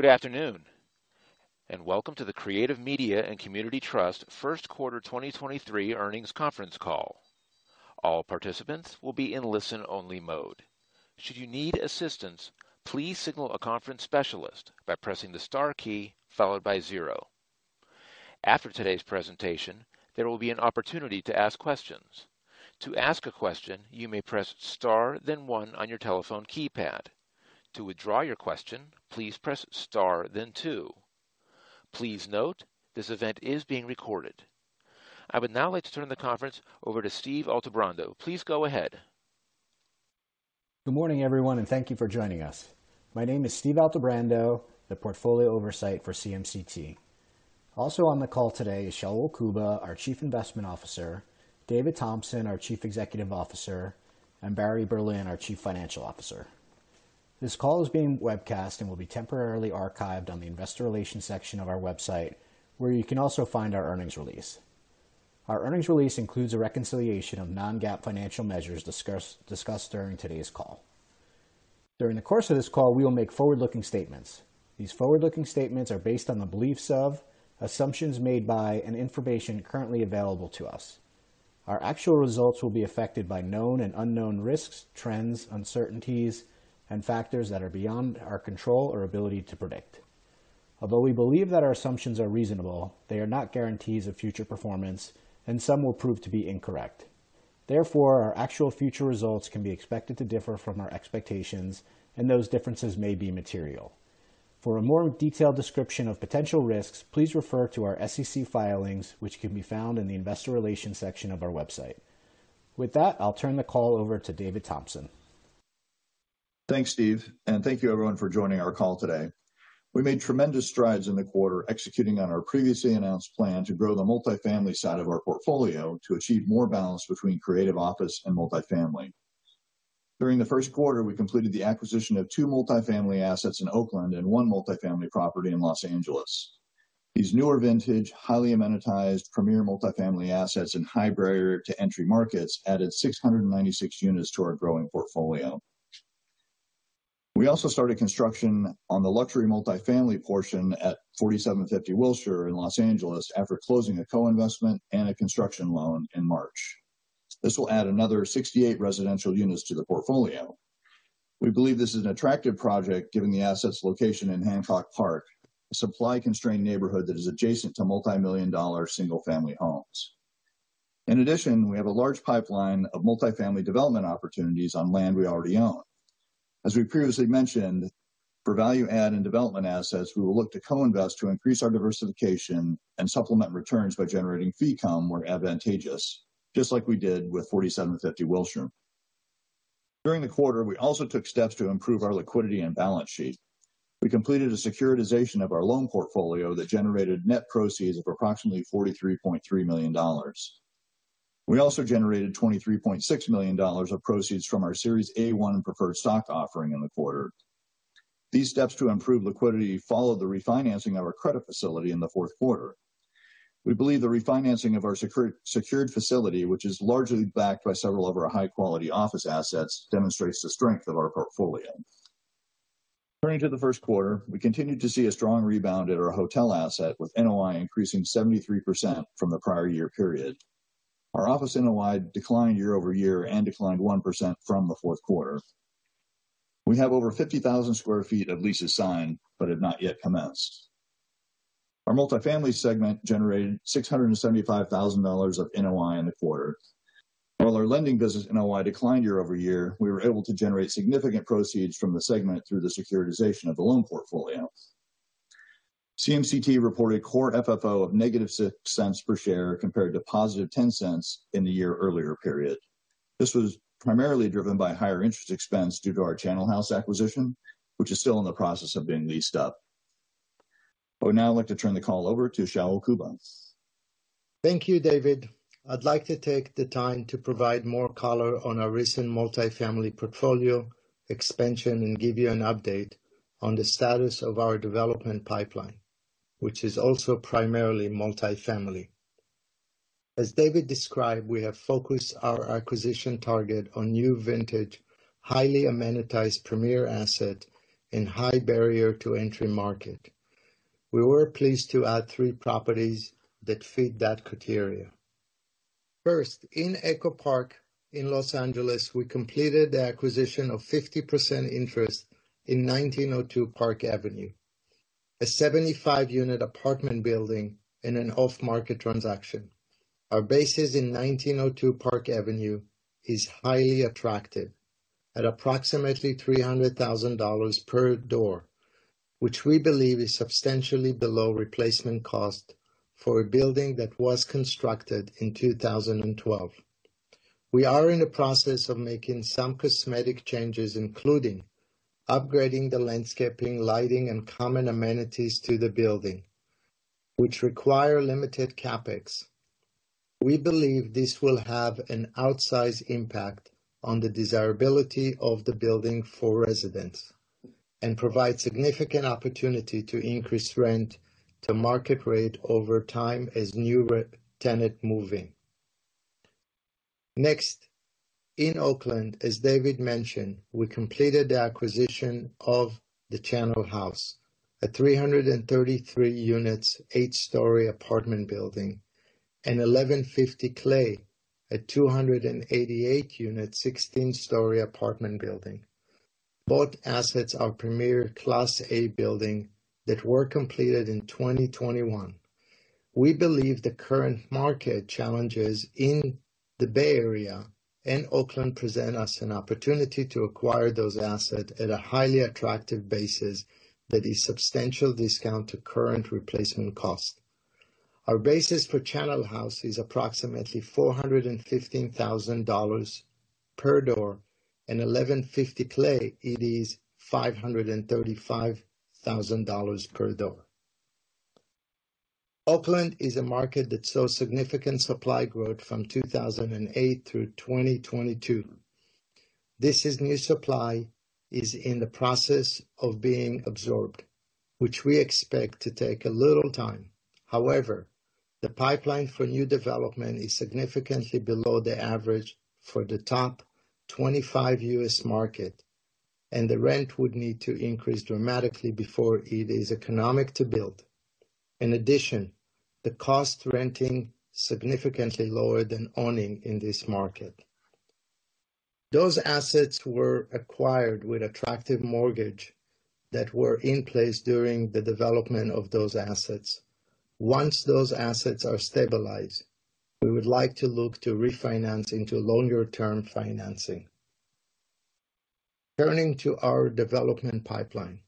Good afternoon, and welcome to the Creative Media and Community Trust first quarter 2023 earnings conference call. All participants will be in listen-only mode. Should you need assistance, please signal a conference specialist by pressing the star key followed by zero. After today's presentation, there will be an opportunity to ask questions. To ask a question, you may press Star then one on your telephone keypad. To withdraw your question, please press Star then two. Please note this event is being recorded. I would now like to turn the conference over to Steve Altebrando. Please go ahead. Good morning, everyone, and thank you for joining us. My name is Steve Altebrando, the portfolio oversight for CMCT. Also on the call today is Shaul Kuba, our Chief Investment Officer, David Thompson, our Chief Executive Officer, and Barry Berlin, our Chief Financial Officer. This call is being webcast and will be temporarily archived on the investor relations section of our website, where you can also find our earnings release. Our earnings release includes a reconciliation of non-GAAP financial measures discussed during today's call. During the course of this call, we will make forward-looking statements. These forward-looking statements are based on the beliefs of assumptions made by and information currently available to us. Our actual results will be affected by known and unknown risks, trends, uncertainties, and factors that are beyond our control or ability to predict. Although we believe that our assumptions are reasonable, they are not guarantees of future performance, and some will prove to be incorrect. Therefore, our actual future results can be expected to differ from our expectations, and those differences may be material. For a more detailed description of potential risks, please refer to our SEC filings, which can be found in the Investor Relations section of our website. With that, I'll turn the call over to David Thompson. Thanks, Steve, and thank you everyone for joining our call today. We made tremendous strides in the quarter, executing on our previously announced plan to grow the multifamily side of our portfolio to achieve more balance between creative office and multifamily. During the first quarter, we completed the acquisition of 2 multifamily assets in Oakland and 1 multifamily property in Los Angeles. These newer vintage, highly amenitized premier multifamily assets in high barrier to entry markets added 696 units to our growing portfolio. We also started construction on the luxury multifamily portion at 4750 Wilshire in Los Angeles after closing a co-investment and a construction loan in March. This will add another 68 residential units to the portfolio. We believe this is an attractive project, given the asset's location in Hancock Park, a supply-constrained neighborhood that is adjacent to multimillion-dollar single-family homes. In addition, we have a large pipeline of multifamily development opportunities on land we already own. As we previously mentioned, for value add and development assets, we will look to co-invest to increase our diversification and supplement returns by generating fee income where advantageous, just like we did with 4750 Wilshire. During the quarter, we also took steps to improve our liquidity and balance sheet. We completed a securitization of our loan portfolio that generated net proceeds of approximately $43.3 million. We also generated $23.6 million of proceeds from our Series A1 Preferred Stock offering in the quarter. These steps to improve liquidity follow the refinancing of our credit facility in the fourth quarter. We believe the refinancing of our secured facility, which is largely backed by several of our high-quality office assets, demonstrates the strength of our portfolio. Turning to the first quarter, we continued to see a strong rebound at our hotel asset, with NOI increasing 73% from the prior-year period. Our office NOI declined year-over-year and declined 1% from the fourth quarter. We have over 50,000 sq ft of leases signed but have not yet commenced. Our multifamily segment generated $675,000 of NOI in the quarter. While our lending business NOI declined year-over-year, we were able to generate significant proceeds from the segment through the securitization of the loan portfolio. CMCT reported Core FFO of -$0.06 per share compared to +$0.10 in the year-earlier period. This was primarily driven by higher interest expense due to our Channel House acquisition, which is still in the process of being leased up. I would now like to turn the call over to Shaul Kuba. Thank you, David. I'd like to take the time to provide more color on our recent multifamily portfolio expansion and give you an update on the status of our development pipeline, which is also primarily multifamily. As David described, we have focused our acquisition target on new vintage, highly amenitized premier asset in high barrier to entry market. We were pleased to add three properties that fit that criteria. First, in Echo Park in Los Angeles, we completed the acquisition of 50% interest in 1902 Park Avenue, a 75-unit apartment building in an off-market transaction. Our bases in 1902 Park Avenue is highly attractive at approximately $300,000 per door, which we believe is substantially below replacement cost for a building that was constructed in 2012. We are in the process of making some cosmetic changes, including upgrading the landscaping, lighting, and common amenities to the building, which require limited CapEx. We believe this will have an outsized impact on the desirability of the building for residents and provide significant opportunity to increase rent to market rate over time as new tenant move in. In Oakland, as David mentioned, we completed the acquisition of the Channel House, a 333 units, eight-story apartment building, and 1150 Clay, a 288 units, 16-story apartment building. Both assets are premier class A building that were completed in 2021. We believe the current market challenges in the Bay Area and Oakland present us an opportunity to acquire those assets at a highly attractive basis that is substantial discount to current replacement cost. Our basis for Channel House is approximately $415,000 per door. In 1150 Clay, it is $535,000 per door. Oakland is a market that saw significant supply growth from 2008 through 2022. This new supply is in the process of being absorbed, which we expect to take a little time. However, the pipeline for new development is significantly below the average for the top 25 U.S. market, and the rent would need to increase dramatically before it is economic to build. In addition, the cost to renting significantly lower than owning in this market. Those assets were acquired with attractive mortgage that were in place during the development of those assets. Once those assets are stabilized, we would like to look to refinancing to longer-term financing. Turning to our development pipeline.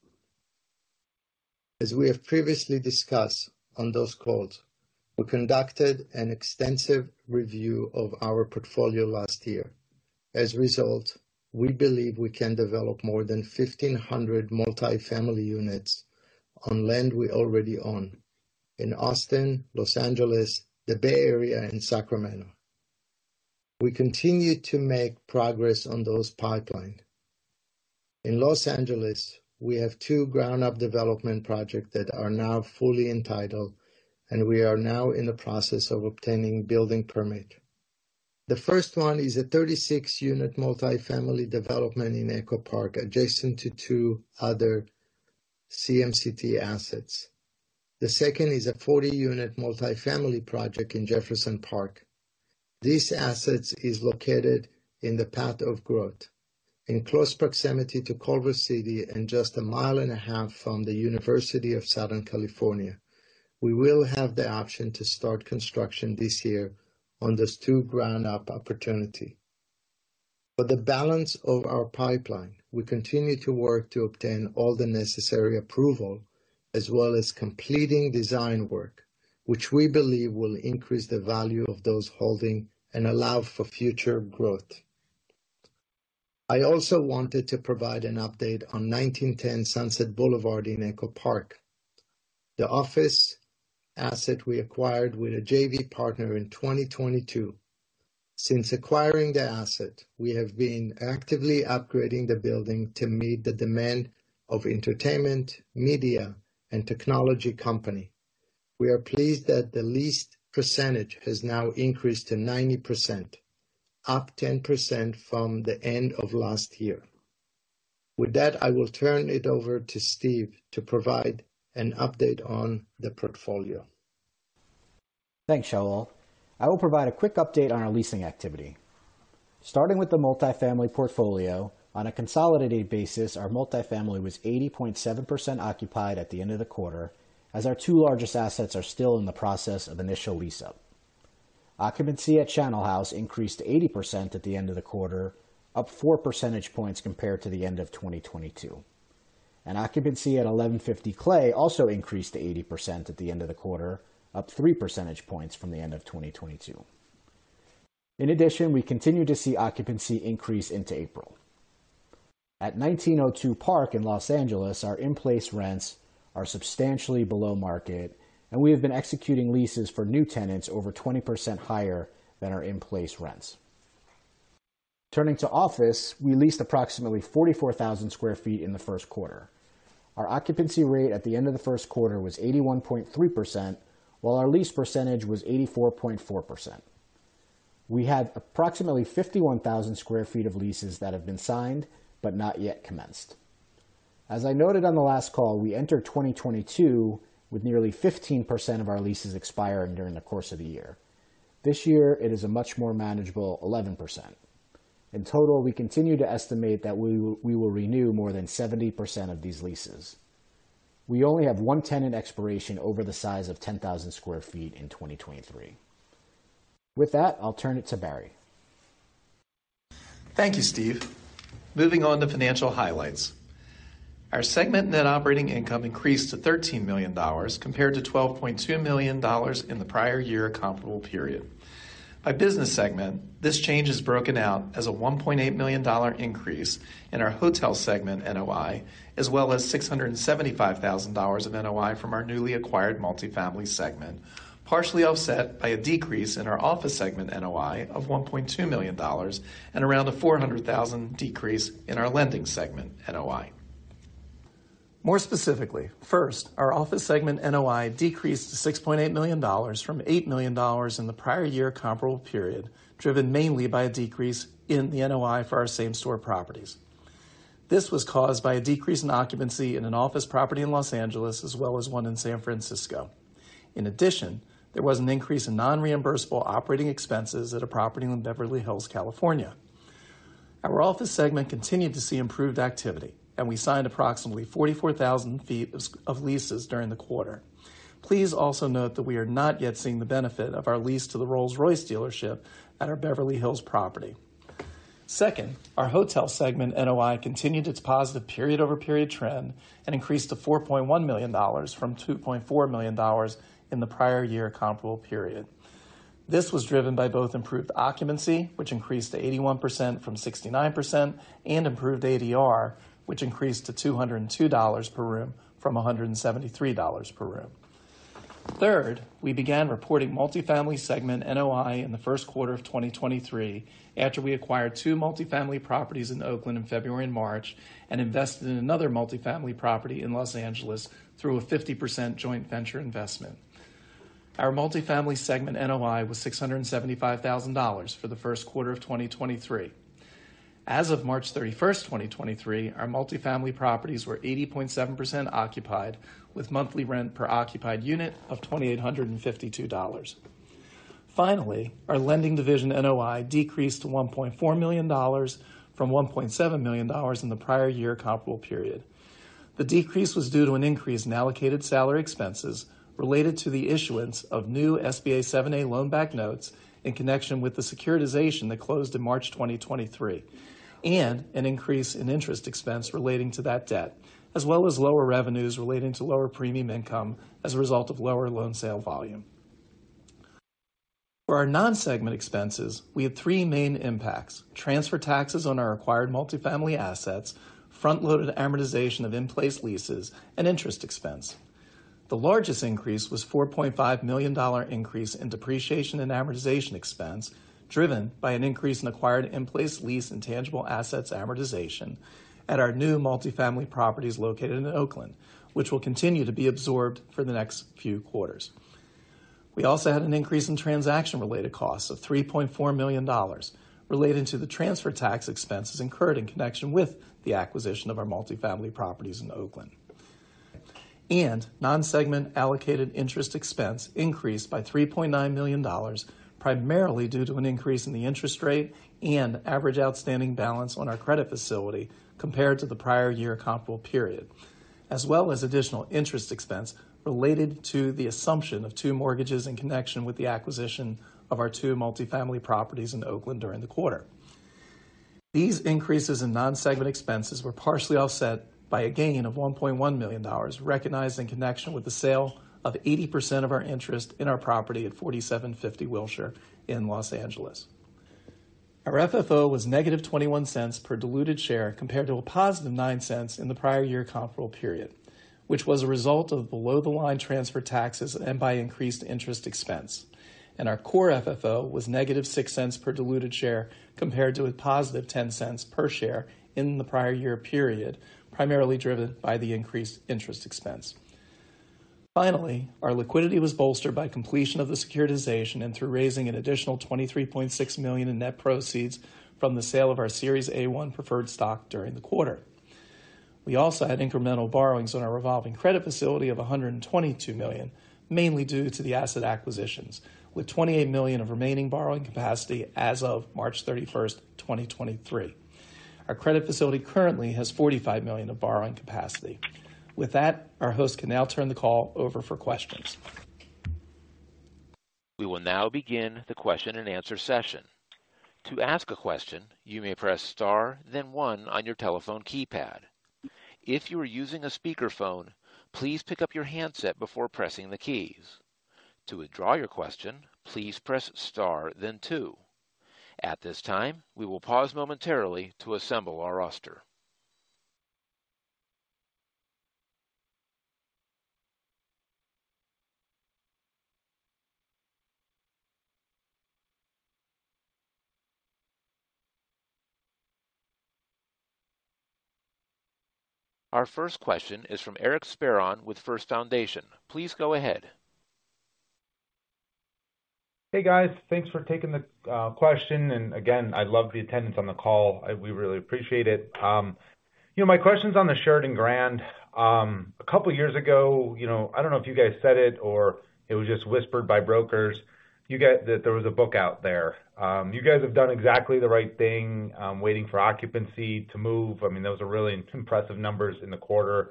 As we have previously discussed on those calls, we conducted an extensive review of our portfolio last year. As a result, we believe we can develop more than 1,500 multi-family units on land we already own in Austin, Los Angeles, the Bay Area, and Sacramento. We continue to make progress on those pipeline. In Los Angeles, we have two ground-up development projects that are now fully entitled, and we are now in the process of obtaining building permit. The first one is a 36-unit multi-family development in Echo Park, adjacent to two other CMCT assets. The second is a 40-unit multi-family project in Jefferson Park. This asset is located in the path of growth, in close proximity to Culver City and just a mile and a half from the University of Southern California. We will have the option to start construction this year on these two ground-up opportunity. For the balance of our pipeline, we continue to work to obtain all the necessary approval, as well as completing design work, which we believe will increase the value of those holding and allow for future growth. I also wanted to provide an update on 1910 Sunset Boulevard in Echo Park, the office asset we acquired with a JV partner in 2022. Since acquiring the asset, we have been actively upgrading the building to meet the demand of entertainment, media, and technology company. We are pleased that the lease percentage has now increased to 90%, up 10% from the end of last year. With that, I will turn it over to Steve to provide an update on the portfolio. Thanks, Shaul. I will provide a quick update on our leasing activity. Starting with the multi-family portfolio. On a consolidated basis, our multi-family was 80.7% occupied at the end of the quarter, as our two largest assets are still in the process of initial lease-up. Occupancy at Channel House increased 80% at the end of the quarter, up 4 percentage points compared to the end of 2022. Occupancy at 1150 Clay also increased to 80% at the end of the quarter, up 3 percentage points from the end of 2022. In addition, we continue to see occupancy increase into April. At 1902 Park in Los Angeles, our in-place rents are substantially below market, and we have been executing leases for new tenants over 20% higher than our in-place rents. Turning to office, we leased approximately 44,000 square feet in the first quarter. Our occupancy rate at the end of the first quarter was 81.3%, while our lease percentage was 84.4%. We had approximately 51,000 square feet of leases that have been signed but not yet commenced. As I noted on the last call, we entered 2022 with nearly 15% of our leases expiring during the course of the year. This year it is a much more manageable 11%. In total, we continue to estimate that we will renew more than 70% of these leases. We only have one tenant expiration over the size of 10,000 square feet in 2023. With that, I'll turn it to Barry. Thank you, Steve. Moving on to financial highlights. Our segment net operating income increased to $13 million compared to $12.2 million in the prior year comparable period. By business segment, this change is broken out as a $1.8 million increase in our hotel segment NOI, as well as $675,000 of NOI from our newly acquired multi-family segment, partially offset by a decrease in our office segment NOI of $1.2 million and around a $400,000 decrease in our lending segment NOI. More specifically, first, our office segment NOI decreased to $6.8 million from $8 million in the prior year comparable period, driven mainly by a decrease in the NOI for our same store properties. This was caused by a decrease in occupancy in an office property in Los Angeles as well as one in San Francisco. In addition, there was an increase in non-reimbursable operating expenses at a property in Beverly Hills, California. Our office segment continued to see improved activity, and we signed approximately 44,000 sq ft of leases during the quarter. Please also note that we are not yet seeing the benefit of our lease to the Rolls-Royce dealership at our Beverly Hills property. Second, our hotel segment NOI continued its positive period-over-period trend and increased to $4.1 million from $2.4 million in the prior year comparable period. This was driven by both improved occupancy, which increased to 81% from 69%, and improved ADR, which increased to $202 per room from $173 per room. Third, we began reporting multifamily segment NOI in the first quarter of 2023 after we acquired two multifamily properties in Oakland in February and March and invested in another multifamily property in Los Angeles through a 50% joint venture investment. Our multifamily segment NOI was $675,000 for the first quarter of 2023. As of March 31st, 2023, our multifamily properties were 80.7% occupied with monthly rent per occupied unit of $2,852. Our lending division NOI decreased to $1.4 million from $1.7 million in the prior year comparable period. The decrease was due to an increase in allocated salary expenses related to the issuance of new SBA 7(a) loan-backed notes in connection with the securitization that closed in March 2023 and an increase in interest expense relating to that debt, as well as lower revenues relating to lower premium income as a result of lower loan sale volume. For our non-segment expenses, we had three main impacts. Transfer taxes on our acquired multifamily assets, front-loaded amortization of in-place leases, and interest expense. The largest increase was a $4.5 million increase in depreciation and amortization expense driven by an increase in acquired in-place lease and tangible assets amortization at our new multifamily properties located in Oakland, which will continue to be absorbed for the next few quarters. We also had an increase in transaction-related costs of $3.4 million relating to the transfer tax expenses incurred in connection with the acquisition of our multifamily properties in Oakland. Non-segment allocated interest expense increased by $3.9 million, primarily due to an increase in the interest rate and average outstanding balance on our credit facility compared to the prior year comparable period, as well as additional interest expense related to the assumption of two mortgages in connection with the acquisition of our two multifamily properties in Oakland during the quarter. These increases in non-segment expenses were partially offset by a gain of $1.1 million recognized in connection with the sale of 80% of our interest in our property at 4750 Wilshire in Los Angeles. Our FFO was -$0.21 per diluted share compared to $0.09 in the prior year comparable period, which was a result of below-the-line transfer taxes and by increased interest expense. Our Core FFO was -$0.06 per diluted share compared to $0.10 per share in the prior year period, primarily driven by the increased interest expense. Finally, our liquidity was bolstered by completion of the securitization and through raising an additional $23.6 million in net proceeds from the sale of our Series A1 Preferred Stock during the quarter. We also had incremental borrowings on our revolving credit facility of $122 million, mainly due to the asset acquisitions, with $28 million of remaining borrowing capacity as of March 31, 2023. Our credit facility currently has $45 million of borrowing capacity. With that, our host can now turn the call over for questions. We will now begin the question-and-answer session. To ask a question, you may press Star, then one on your telephone keypad. If you are using a speakerphone, please pick up your handset before pressing the keys. To withdraw your question, please press Star then two. At this time, we will pause momentarily to assemble our roster. Our first question is from Eric Speron with First Foundation. Please go ahead. Hey, guys. Thanks for taking the question. Again, I love the attendance on the call. We really appreciate it. You know, my question's on the Sheraton Grand. A couple years ago, you know, I don't know if you guys said it or it was just whispered by brokers. That there was a book out there. You guys have done exactly the right thing, waiting for occupancy to move. I mean, those are really impressive numbers in the quarter.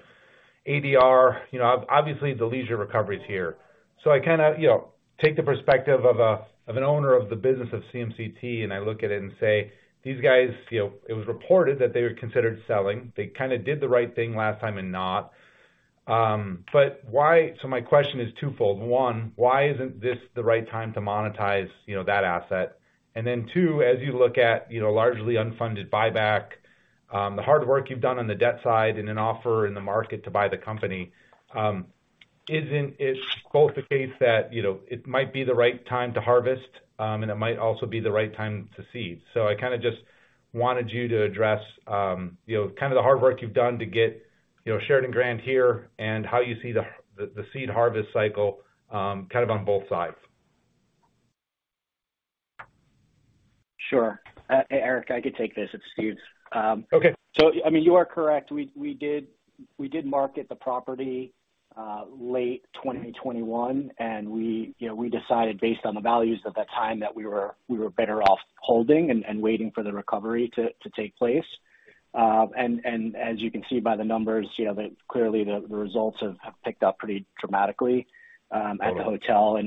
ADR, you know, obviously, the leisure recovery's here. I kind of, you know, take the perspective of an owner of the business of CMCT, and I look at it and say, these guys, you know, it was reported that they were considered selling. They kind of did the right thing last time and not. Why... My question is twofold. One, why isn't this the right time to monetize, you know, that asset? Two, as you look at, you know, largely unfunded buyback, the hard work you've done on the debt side in an offer in the market to buy the company. Isn't it both the case that, you know, it might be the right time to harvest, and it might also be the right time to seed. I kinda just wanted you to address, you know, kind of the hard work you've done to get, you know, Sheraton Grand here and how you see the seed harvest cycle, kind of on both sides. Sure. Eric, I could take this. It's Steve's. Okay. I mean, you are correct. We did market the property late 2021. We, you know, we decided based on the values at that time that we were better off holding and waiting for the recovery to take place. As you can see by the numbers, you know, clearly the results have picked up pretty dramatically. Right... at the hotel.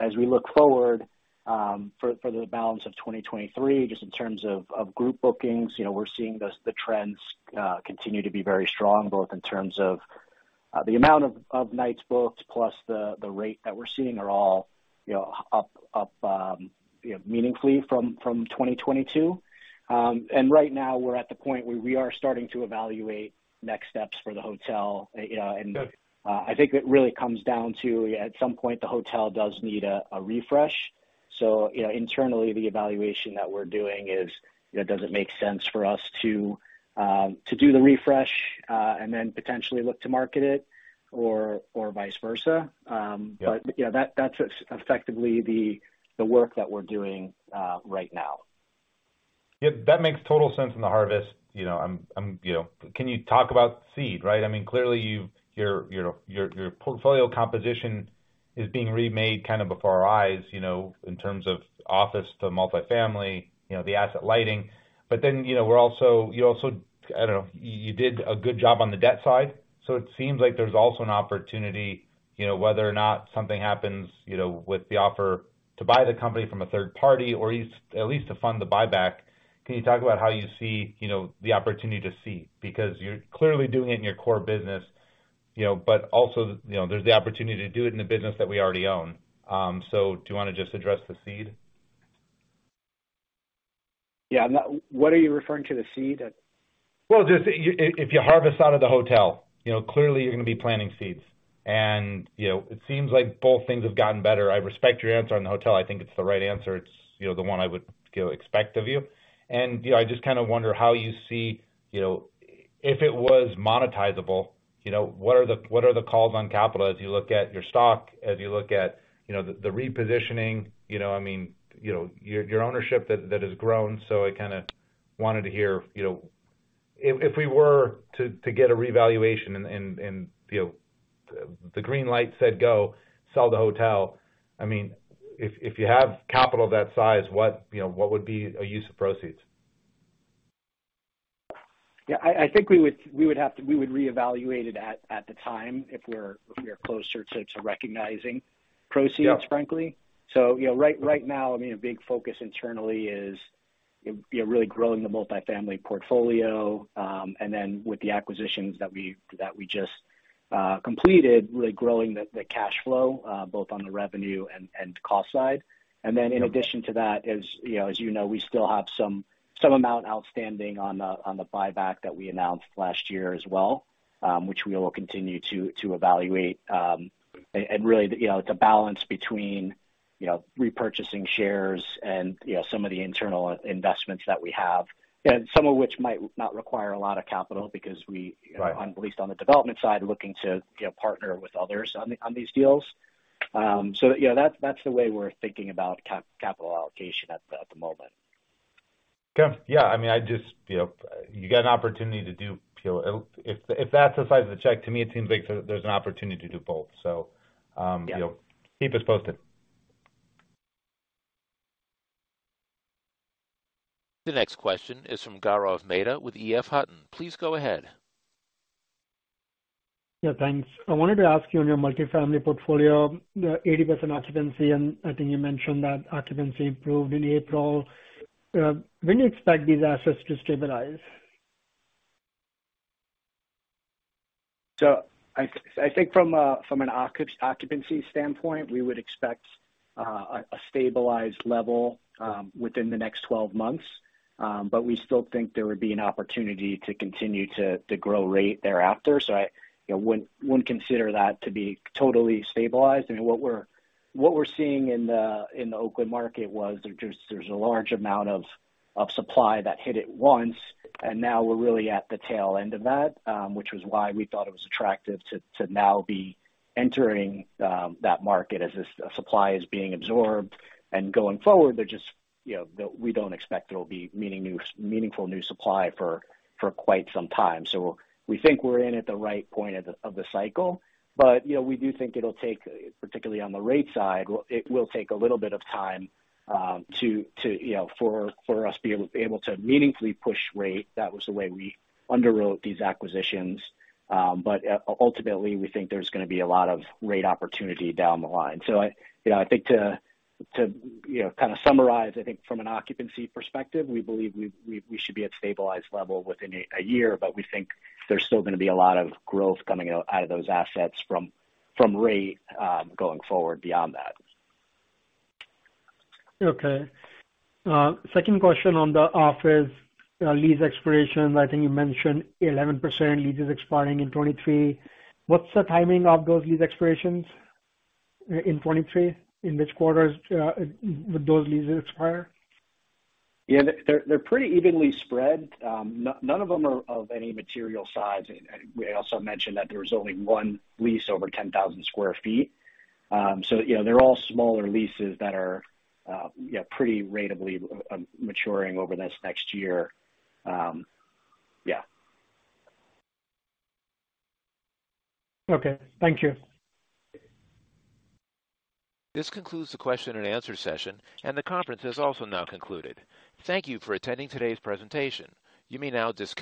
As we look forward, for the balance of 2023, just in terms of group bookings, you know, we're seeing the trends continue to be very strong, both in terms of the amount of nights booked, plus the rate that we're seeing are all, you know, up, you know, meaningfully from 2022. Right now we're at the point where we are starting to evaluate next steps for the hotel. Good. I think it really comes down to, at some point, the hotel does need a refresh. You know, internally, the evaluation that we're doing is, you know, does it make sense for us to do the refresh, and then potentially look to market it or vice versa. Yeah. Yeah, that's effectively the work that we're doing right now. Yeah, that makes total sense in the harvest. You know, I'm, you know, can you talk about seed, right? I mean, clearly you've your portfolio composition is being remade kind of before our eyes, you know, in terms of office to multifamily, you know, the asset lighting. You know, we're also, you also, I don't know, you did a good job on the debt side. It seems like there's also an opportunity, you know, whether or not something happens, you know, with the offer to buy the company from a third party or at least to fund the buyback. Can you talk about how you see, you know, the opportunity to seed? Because you're clearly doing it in your core business, you know, but also, you know, there's the opportunity to do it in the business that we already own. Do you wanna just address the seed? Yeah. What are you referring to the seed? Well, just if you harvest out of the hotel, you know, clearly you're gonna be planting seeds. You know, it seems like both things have gotten better. I respect your answer on the hotel. I think it's the right answer. It's, you know, the one I would expect of you. You know, I just kinda wonder how you see, you know, if it was monetizable, you know, what are the, what are the calls on capital as you look at your stock, as you look at, you know, the repositioning? You know, I mean, you know, your ownership that has grown. I kinda wanted to hear, you know, if we were to get a revaluation and, and, you know, the green light said, go sell the hotel. I mean, if you have capital that size, what, you know, what would be a use of proceeds? Yeah. I think we would have to reevaluate it at the time if we are closer to recognizing proceeds. Yeah frankly. you know, right now, I mean, a big focus internally is, you know, really growing the multifamily portfolio. With the acquisitions that we just completed, really growing the cash flow, both on the revenue and cost side. In addition to that, as, you know, as you know, we still have some amount outstanding on the buyback that we announced last year as well, which we will continue to evaluate. you know, it's a balance between, you know, repurchasing shares and, you know, some of the internal investments that we have. Some of which might not require a lot of capital because Right... at least on the development side, looking to, you know, partner with others on these deals. Yeah, that's the way we're thinking about capital allocation at the, at the moment. Okay. Yeah. I mean, I just, you know, you get an opportunity to do, you know If, if that's the size of the check, to me it seems like there's an opportunity to do both. Yeah. You know, keep us posted. The next question is from Gaurav Mehta with EF Hutton. Please go ahead. Yeah, thanks. I wanted to ask you on your multifamily portfolio, the 80% occupancy, and I think you mentioned that occupancy improved in April. When do you expect these assets to stabilize? I think from an occupancy standpoint, we would expect a stabilized level within the next 12 months. We still think there would be an opportunity to continue to grow rate thereafter. I, you know, wouldn't consider that to be totally stabilized. I mean, what we're seeing in the Oakland market was there's a large amount of supply that hit it once, and now we're really at the tail end of that, which was why we thought it was attractive to now be entering that market as the supply is being absorbed. Going forward you know, we don't expect there will be meaningful new supply for quite some time. We think we're in at the right point of the cycle. You know, we do think it'll take, particularly on the rate side, it will take a little bit of time, to, you know, for us to be able to meaningfully push rate. That was the way we underwrote these acquisitions. Ultimately, we think there's gonna be a lot of rate opportunity down the line. I, you know, I think to, you know, kinda summarize, I think from an occupancy perspective, we believe we should be at stabilized level within a year, but we think there's still gonna be a lot of growth coming out of those assets from rate, going forward beyond that. Okay. Second question on the office, lease expirations. I think you mentioned 11% leases expiring in 2023. What's the timing of those lease expirations in 2023? In which quarters would those leases expire? Yeah. They're pretty evenly spread. None of them are of any material size. We also mentioned that there was only one lease over 10,000 sq ft. You know, they're all smaller leases that are, yeah, pretty ratably, maturing over this next year. Yeah. Okay. Thank you. This concludes the question and answer session. The conference has also now concluded. Thank you for attending today's presentation. You may now disconnect.